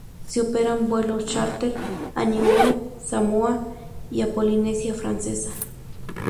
Se operan vuelos chárter a Niue, Samoa y la Polinesia Francesa.